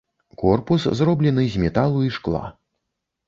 Корпус зроблены з металу і шкла.